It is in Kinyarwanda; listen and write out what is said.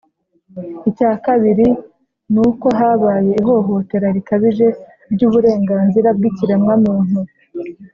icya kabiri ni uko habaye ihohotera rikabije ry'uburenganzira bw'ikiremwamuntu,